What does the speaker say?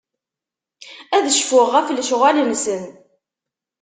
Ad cfuɣ ɣef lecɣal-nsen.